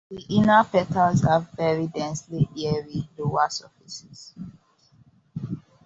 The inner petals have very densely hairy lower surfaces.